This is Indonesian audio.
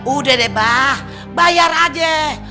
udah deh bah bayar aja